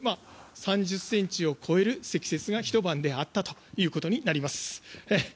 ３０ｃｍを超える積雪がひと晩であったということになります。